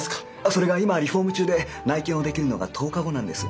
それが今リフォーム中で内見をできるのが１０日後なんです。